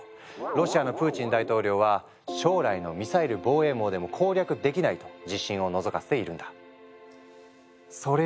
ロシアのプーチン大統領は「将来のミサイル防衛網でも攻略できない」と自信をのぞかせているんだ。